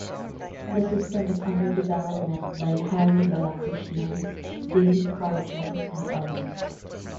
The system is under development by Hari Balakrishnan, David Karger and others.